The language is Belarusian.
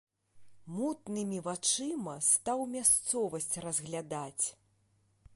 Мутнымі вачыма стаў мясцовасць разглядаць.